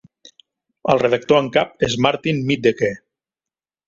El redactor en cap és Martin Middeke.